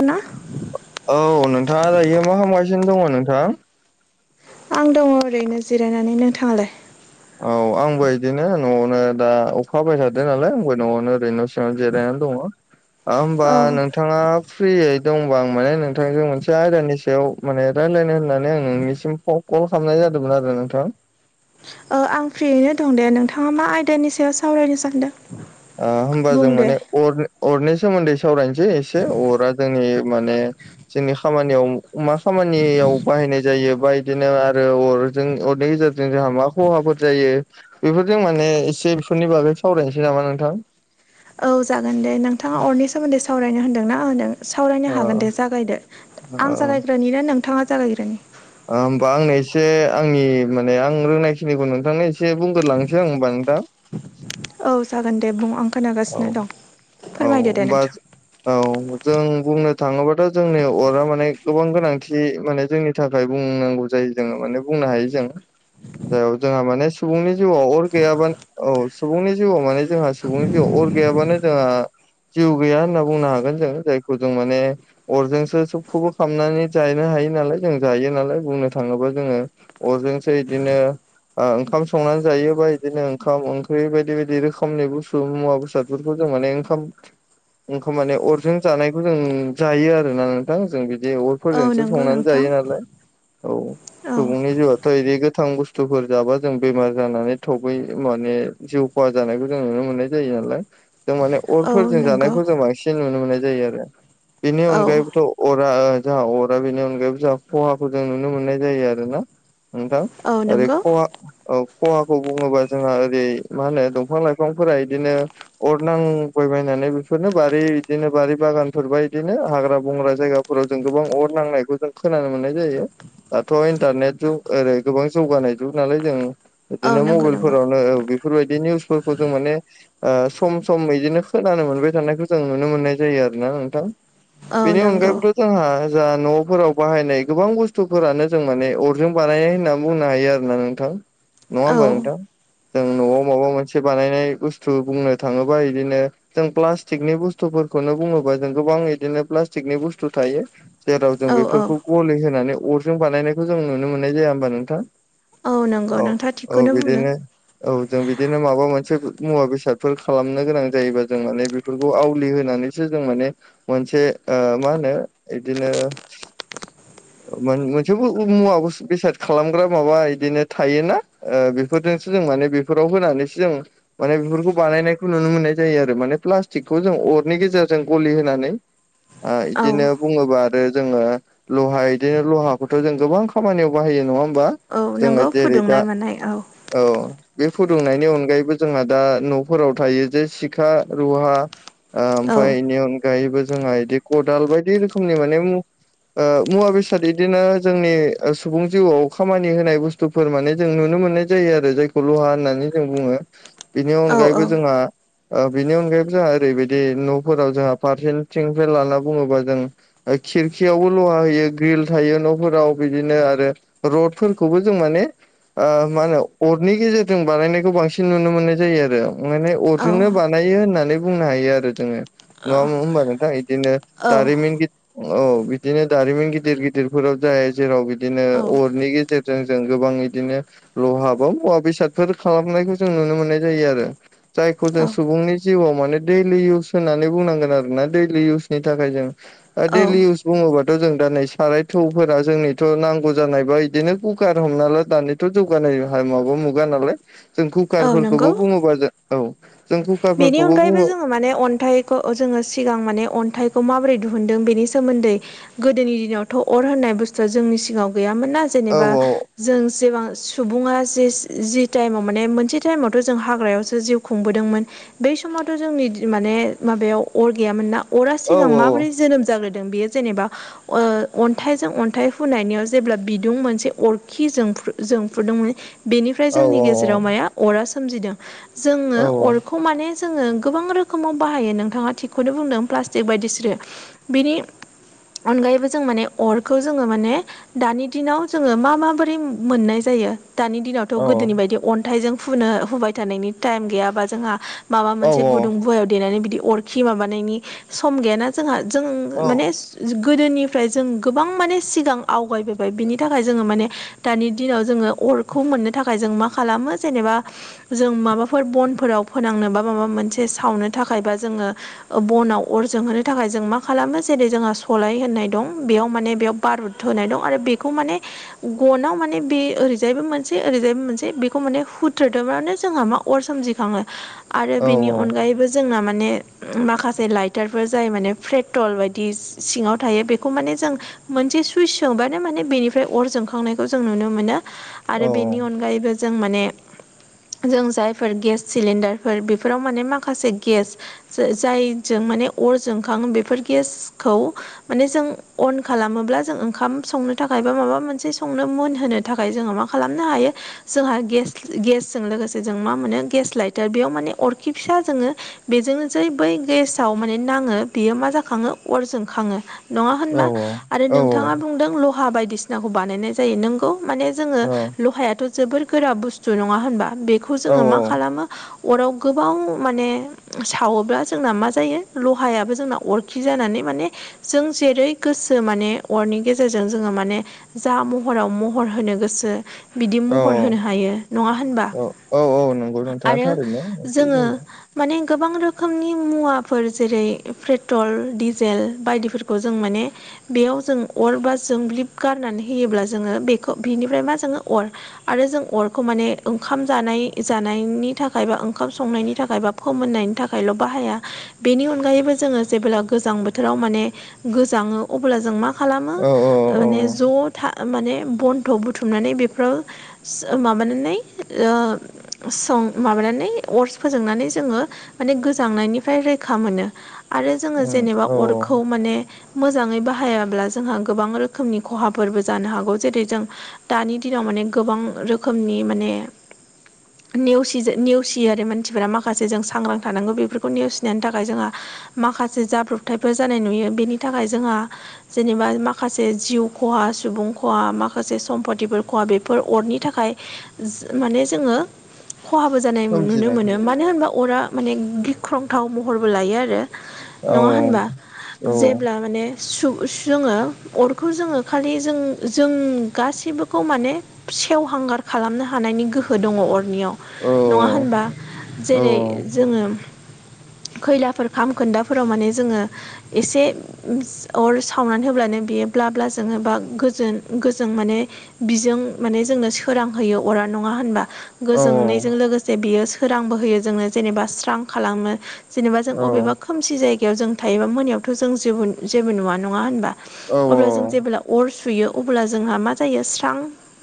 अनना औ नोंथांआ दायो मा खालामगासिनो दङो नोंथां आं दङ ओरैनो जिरायनानै नोंथांआलाय औ आंबो इदिनो न'आवनो दा अखा हाबाय थादो नालाय आंबो न'आवनो ओरैनो न' सिङाव जिरायनानै दङ ओ होमबा औ नोंथांआ फ्रियै दंब आ माने नोंथांजों मोनसे आयदानि सायाव माने रायलायनो होननानै आं नोंनिसिम कल खालामनाय जादोंमोन आरो नोंथां ओ आं फ्रियैनो दं दे नोंथांआ मा आयदानि सायाव सावरायनो सानदों ओ होमबा बुं जों दे माने अर अरनि सोमोन्दै सावरायनोसै एसे अरा जोंनि माने जोंनि खामानिआव मा खामानिआव बाहायनाय जायो बा बिदिनो आरो अरजों अरनि गेजेरजों जों जोंहा मा खहाफोर जायो बेफोरजों माने एसे बेफोरनि बागै सावरायसै नामा नोंथां औ जागोन दे नोंथांआ अरनि सोमोन्दै सावरायनो होन्दों ना होनदों सावरायनो ओ हागोन दे जागायदो ओ आं जागायग्रोनि ना नोंथांआ जागायग्रोनि ओ होमबा आंनो एसे आंनि माने आं रोंनायखिनिखौ नोंथांनो एसे बुंगोरोलांनोसै आं होमबा नोंथां औ जागोन दे बुं आं औ खोनागासिनो दं औ फोरमायदो दे होमबा नोंथां औ जों बुंनो थाङोबाथ' जोंनि अरा माने गोबां गोनांथि माने जोंनि थाखाय बुंनांगौ जायो जोङो माने बुंनो हायो जों औ जोंहा माने सुबुंनि जिउआव अर गैयाबानो औ सुबुंनि जिउआव माने जोंहा सुबुंनि जिउआव अर गैयाबानो जोंहा जिउ गैया होनना बुंनो हागोन जों जायखौ जों माने अरजोंसो सबखौबो खालामनानै जायानो हायो नालाय जों जायो नालाय बुंनो थाङोबा जोङो अरजोंसो इदिनो ओ ओंखाम संनानै जायोबा इदिनो ओंखाम ओंख्रि बायदि बायदि रोखोमनि बुस थु मुवा बेसादफोरखौ जों माने ओंखाम ओंखाम माने अरजों जानायखौ जों जायो आरोना नोंथां जों बिदि अर औ फोरजोंसो नंगौ संनानै नोंथां जायो नालाय औ औ सुबुंनि जिउआ डायरेक गोथां बुस्थुफोर जाबा जों बेमार जानानै थबै माने जिउ खहा जानायखौ जों नुनो मोननाय जा जायो नालाय जों माने औ अरफोरजों नंगौ जानायखौ जों बांसिन नुनो मोननाय जायो आरो बेनि औ अनगायैबोथ' अरा जोंहा अरा बेनि अनगायैबो जोंहा खहाखौ जों नुनो मोननाय जायो आरो ना नोंथां औ ओरै नंगौ खहा औ खहाखौ बुङोबा जोंहा ओरै मा होनो दंफां लाइफांफोरा इदिनो अर नांबयबायायनानै बेफोरनो बारि इदिनो बारि बागानफोरब इदिनो हाग्रा बंग्रा जायगा फोराव जों गोबां अर नांनायखौ जों खोनानो मोननाय जायो दाथ इन्टारनेट जुग ओरै गोबां जौगानाय जुग नालाय जों औ बिदिनो नंगौ नंगौ मबाइलफोरावनो ओ बेफोरबायदि निउसफोरखौ जों माने ओ सम सम बिदिनो खोनानो मोनबाय थानायखौ जों नुनो मोननाय जायो आरो ना नोंथां औ बिदि नंगौ अनगायैबोथ जोंहा जा न'फोराव बाहायनाय गोबां बुस्थुफोरानो जों माने अरजों बानायनाय होननानै बुंनो हायो आरो ना नोंथां नङा औ होमबा नोंथां जों न'आव माबा मोनसे बानायनाय बुस थु बुंनो थाङोबा इदिनो जों प्लास्टिकनि बुस्थुफोरखौनो बुङोबा जों गोबां इदिनो प्लास्टिकनि बुस्थु थायो जेराव जों औ औ बेफोरखौ गलि होनानै अरजों बानायनायखौ जों नुनो मोननाय जाया होमबा नोंथां औ नंगौ औ नोंथाङा औ थिगखौनो बुंदों बिदिनो औ जों बिदिनो माबा मोनसे मुवा बेसादफोर खालामनो गोनां जायोबा जों माने बेफोरखौ आवलि होनानैसो जों माने मोनसे ओ मा होनो इदिनो मोनसेबो मुवा बेसाद खालामग्रा माबा इदिनो थायोना ओ बेफोरजोंसो जों माने बेफोराव होनानैसो जों माने बेफोरखौ बानायनायखौ नुनो मोननाय जायो आरो माने प्लास्टिकखौ जों अरनि गेजेरजों गलि होनानै आ औ बिदिनो बुङोब्ला आरो जोङो लहा इदिनो लहाखौथ जों गोबां खामानियाव बाहायो नङा होमबा औ जोङो नोंगौ जेरै दा फुदुंनाय मानाय औ औ बे फुदुंनायनि अनगायैबो जोंहा दा न'फोराव थायो जे सिखा रुहा ओ औ ओमफ्राय इनि अनगायैबो जोंहा बिदि खदाल बायदि रोखोमनि माने मु ओ मुवा बेसाद इदिनो जोंनि सुबुं जिउआव खामानि होनाय बुस्थु फोर माने जों नुनो मोननाय जायो आरो जायखौ लहा होननानै जों बुङो इनि औ औ अनगायैबो जोंहा बिनि अनगायैबो जोंहा ओरैबायदि न'फोराव जोंहा फारसेथिंफ्राय लाना बुङोबा जों खिरखियावबो लहा होयो ग्रिल थायो न'फोराव बिदिनो आरो रडफोरखौबो जों माने ओ मा होनो अरनि गेजेरजों बानायनायखौ बांसिन नुनो मोननाय जायो आरो माने अर औ जोंनो बानायो होननानै बुंनो हायो आरो जोङो औ नङा होमबा नोंथां इदिनो दारिमिन गिदिर औ बिदिनो दारिमिन गिदिर गिदिरफोराव जायो जेराव बिदिनो औ औ अरनि गेजेरजों जों गोबां इदिनो लहा बा मुवा बेसादफोर खालामनायखौ जों नुनो मोननाय जायो आरो जायखौ जों सुबुंनि जिउआव माने दैलि इउस होननानै बुंनांगोन आरो ना दैलि इउसनि थाखाय जों ओ औ देलि इउस बुङोबाथ जों दा नै साराय थौफोरा जोंनिथ नांगौ जानायबा बिदिनो कुकार हमना ला दानि थ जौगानाय माबा मुगा नालाय जों औ नंगौ कुकारफोरखौबो बुङोबा जों औ जों बेनि कुकारफोरखौबो अनगायैबो बुङो जों माने अन्थाइखौ जोङो सिगां माने अन्थाइखौ माबोरै दिहुनदों बेनि सोमोन्दै गोदोनि दिनावथ अर होननाय बुस्थुआ जोंनि सिगाङाव गैयामोनना औ जेनेबा जों जेबां सुबुङा जे जि टाइमाव माने मोनसे टाइमावथ जों हाग्रायावसो जिउ खुंबोदोंमोन बै समावथ जोंनि माने माबायाव अर गैयामोनना अरा औ सिगां माबोरै जोनोम जाग्रो दों बेयो जेनेबा ओ अन्थाइजों अन्थाइ हुनानियाव जेब्ला बिदुं मोनसे अरखि जोंफ्रु जोंफ्रुदोंमोन बेनिफ्राय औ जोंनि गेजेराव औ माया अरा सोमजिदों जोङो औ औ अर खौ माने जोङो गोबां रोखोमाव बाहायो नोंथाङा थिगखौनो बुंदों प्लास्टिक बायदिसोरो बिनि अनगायैबो जों माने अरखौ जोङो माने दानि दिनाव जोङो मा माबोरै मोननाय जायो दानि दिनावथ' औ गोदोनि बायदि अन्थाइजों हुनो हुबाय थानायनि टाइम गैया बा जोंहा माबा औ मोनसे गुदुं गुवायाव देनानै बिदि अरखि माबानायनि सम गैयाना। जोंहा जों औ माने गोदोनिफ्राय जों गोबां माने सिगां आवगायबोबाय बिनि थाखाय जोङो माने दानि दिनाव जोङो अरखौ मोननो थाखाय जों मा खालामो जेनेबा जों माबाफोर बनफोराव फोनांनो बा माबा मोनसे सावनो थाखायबा जोङो बनाव अर जोंहोनो थाखाय जों मा खालामो जेरै जोंहा सलाय होननाय दं बेयाव माने बेयाव बारुत होनाय दं आरो बेखौ माने गनाव माने बे ओरैजायबो मोनसे ओरैजायबो मोनसे बेखौ माने हुथ्रोदोबानो जोंहा मा? अर सोमजिखाङो आरो औ बेनि अनगायैबो जोंना माने माखासे लाइटारफोर जाय माने पेट्रल बायदि सिङाव थायो बेखौ माने जों मोनसे सुइस सोबानो माने बेनिफ्राय अर जोंखांनायखौ जों नुनो मोनो। औ आरो बेनि अनगायैबो जों माने जों जायफोर गेस सिलिन्डारफोर बेफोराव माने माखासे गेस जायजों माने अर जोंखाङो बेफोर गेसखौ माने जों अन खालामोब्ला जों ओंखाम संनो थाखाय बा माबा मोनसे संनो मोनहोनो थाखाय जोंङो मा खालामनो हायो जोंहा गेस गेसजों लोगोसे जों मा मोनो गेस लाइटार बेयाव माने अरखि फिसा जोङो। बेजोंनो जै बै गेसाव माने नाङो बेयो मा जाखाङो अर जोंखाङो। नङा औ होनबा आरो औ नोंथाङा बुंदों लहा बायदिसिनाखौ बानायनाय जायो नोंगौ माने जोङो लहायाथ' जोबोर गोरा बुस्थु नङा होनबा बेखौ जोङो मा खालामो? अराव गोबाव माने सावोब्ला जोंना मा जायो लहायाबो जोंना अर खि जानानै माने जों जेरै गोसो माने अरनि गेजेरजों जोङो माने जा महराव महर होनो गोसो बिदि औ महर होनो हायो नङा होनबा? औ औ नंगौ नोंथाङा आरो थारैनो नोंखौ जोङो बुंदों माने गोबां रोखोमनि मुवाफोर जेरै पेट्रल डिजेल बायदिफोरखौ जों माने बेयाव जों अर बा जोंब्लिब गारनानै होयोब्ला जोङो बेखौ बिनिफ्राय मा जोङो अर आरो जों अरखौ माने ओंखाम जानाय जानायनि नि थाखाय बा ओंखाम संनायनि थाखाय बा फोमोननायनि थाखायल' बाहाया। बेनि अनगायैबो जोङो जेब्ला गोजां बोथोराव माने गोजाङो अब्ला जों मा खालामो औ औ औ माने ज' था माने बन्थ' बुथुमनानै बेफोराव माबानानै ओ सं माबानानै अर्स फोजोंनानै जोङो माने गोजांनायनिफ्राय रैखा मोनो। आरो जोङो उम जेनेबा औ औ अरखौ माने मोजाङै बाहायाब्ला जोंहा गोबां रोखोमनि खहाफोरबो जानो हागौ जेरै जों दानि दिनाव माने गोबां रोखोमनि माने नेवसि नेवसियो आरो मानसिफोरा माखासे जों सांग्रां थानांगौ बेफोरखौ नेवसिनायनि थाखाय जोंहा माखासे जाब्रबथायफोर जानाय नुयो बेनि थाखाय जोंहा जेनेबा माखासे जिउ खहा सुबुं खहा माखासे सम्पतिफोर खहा बेफोर अरनि थाखाय माने जोङो खहाबो जानाय नुनो सोमजिनायखौ मोनो मानो नुयो होनबा अरा माने गिख्रंथाव महरबो लायो आरो। औ नङा होनबा औ जेब्ला माने जोङो अरखौ जोङो खालि जों जों गासिबोखौ माने सेवहांगार खालामनो हानायनि गोहो दङ अरनियाव। औ नङा होनबा औ जेरै जोङो खैलाफोर खामखोन्दाफोराव माने जोङो एसे अर सावनानै होब्लानो बियो ब्ला ब्ला जोङो बा गोजोन गोजों माने बिजों माने जोंनो सोरांहोयो अरा नङा होनबा? औ जोंनायजों लोगोसे बियो सोरांबो होयो जोंनो जेनेबा सां खालामनो जेनेबा जों बबेबा खोमसि जायगायाव जों थायोबा मोनायावथ' जों जे जेबो नुवा नङा होनबा? अब्ला जों जेब्ला अर सुयो। अब्ला जोंहा मा जायो स्रां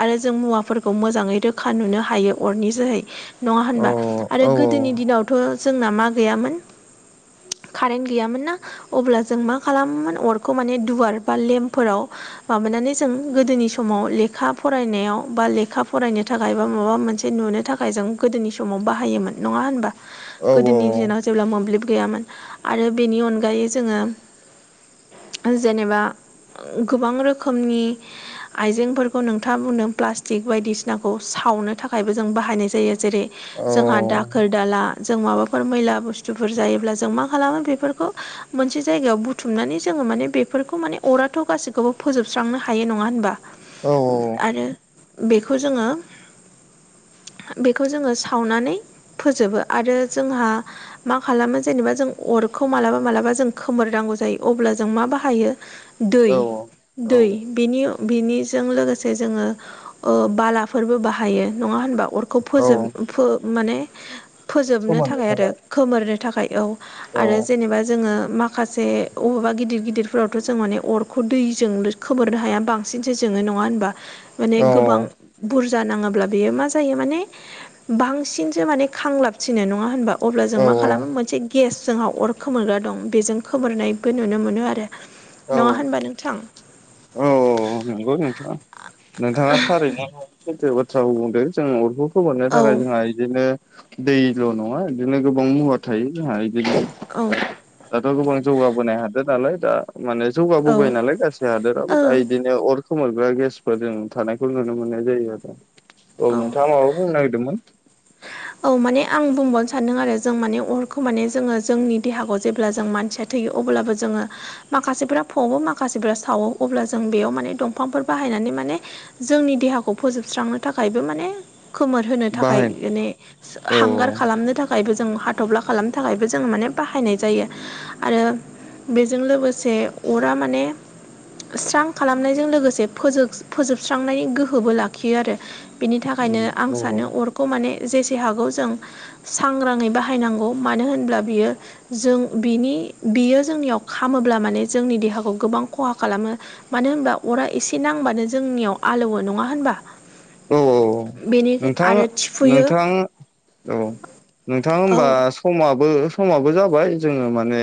आरो जों मुवाफोरखौ मोजाङै रोखा नुनो हायो। अरनि जोहै नङा होनबा? आरो गोदोनि दिनावथ' जोंना मा गैयामोन कारेन्ट गैयामोन ना। अब्ला जों मा खालामोमोन अरखौ माने दुवार बा लेम्पफोराव माबानानै जों गोदोनि समाव लेखा फरायनायाव बा लेखा फरायनो थाखाय बा माबा मोनसे नुनो थाखाय जों गोदोनि समाव बाहायोमोन नङा होनबा गोदोनि दिनाव जेब्ला मोब्लिब गैयामोन आरो बेनि अनगायै जोङो जेनेबा गोबां रोखोमनि आइजेंफोरखौ नोंथाङा बुंदों प्लास्टिक बायदिसिनाखौ सावनो थाखाय थाखायबो जों बाहायनाय जायो जेरै जोंहा औ दाखोर दाला जों माबाफोर मैला बुस्थुफोर जायोब्ला जों मा खालामो बेफोरखौ मोनसे जायगायाव बुथुमनानै जोङो माने बेफोरखौ माने अराथ' गासिखौबो फोजोबस्रांनो हायो नङा होनबा? आरो बेखौ जोङो बेखौ जोङो सावनानै फोजोबो आरो जोंहा मा खालामो जेनेबा जों अरखौ मालाबा मालाबा जों खोमोरनांगौ जायो अब्ला जों मा बाहायो। दै औ दै। बिनि बिनिजों लोगोसे जोङो ओ बालाफोरबो बाहायो नङा होनबा? अरखौ औ फोजोब माने फोजोबनो थाखाय आरो खोमोरनो थाखाय औ। औ आरो जेनेबा जोङो माखासे मा माखासे बबेबा गिदिर गिदिरफोरावथ' जों माने अरखौ दैजों खोमोरनो हाया बां सिनसो जोङो नङा होनबा माने औ गोबां बुरजा नाङा अब्ला बेयो मा जायो माने बांसिनसो माने खांलाबसिनो नङा होनबा? अब्ला जों औ मा खालामो मोनसे गि गेस जोंहा अर खोमोरग्रा दं बेजों खोमोरनायबो नुनो मोनो आरो औ नङा औ होनबा नोंथां? औ औ नंगौ नोंथाङा नोंथाङा थारैनोथो बाथ्राखौ बुंदों जों अरखौ खबरनो औ थाखाय जोंहा बिदिनो दैल' नङा बिदिनो गोबां मुवा थायो जोंहा बिदिनो औ। दाथ' गोबां जौगाबोनाय हाद नालाय दा माने जौगाबोबाय औ नालाय गासैबो हादोराव दा ओ बिदिनो अर खोमोरग्रा गेसफोर जों थानायखौ नुनो मोननाय जायो आरो। औ नोंथाङा माबाखौ बुंनो नागिरदोंमोन। औ माने आं बुंबावनो सानदों आरो जों माने अरखौ माने जोङो जोंनि देहाखौ जेब्ला जों मानसिया थैयो अब्लाबो जोङो माखासेफ्रा फोबो माखासेफ्रा सावो अब्ला जों बेयाव माने दंफांफोर बाहायनानै माने जोंनि देहाखौ फोजोबस्रांनो थाखायबो माने खोमोर होनो थाखाय बाहाय माने औ हांगार खालाम खालामनो थाखायबो जों हाथफ्ला खालामनो थाखायबो जों माने बाहायनाय जायो। आरो बेजों लोगोसे अरा माने स्रां खालामनायजों लोगोसे फोजोबस्रांनायनि गोहोबो लाखियो आरो। बिनि थाखायनो आं औ सानो अरखौ माने जेसे हागौ जों सांग्राङै बाहायनांगौ मानो होनब्ला बियो जों बिनि बियो जोंनियाव खामोब्ला माने जोंनि देहाखौ गोबां खहा खालामो। मानो होनबा अरा एसे नांबानो जोंनियाव आलौवो नङा होनबा? औ औ बेनि नोंथां आरो थिफुयो। नोंथां औ नोंथां औ होमबा समाबो समाबो जाबाय जोङो माने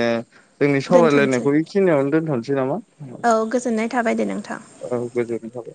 जोंनि दोनथ'नोसै सावरायलायनायखौ बेखिनियावनो दोनथ'नोसै नामा? औ गोजोननाय। थाबाय दे नोंथां। औ गोजोननाय थाबाय।